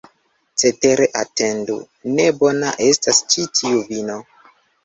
Cetere atendu, ne bona estas ĉi tiu vino!